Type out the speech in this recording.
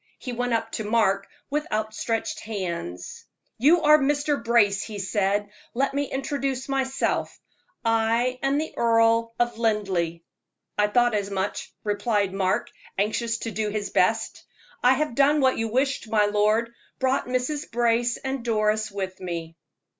He went up to Mark with outstretched hands. "You are Mr. Brace," he said. "Let me introduce myself I am the Earl of Linleigh." "I thought as much," replied Mark, anxious to do his best. "I have done what you wished, my lord brought Mrs. Brace and Doris with me."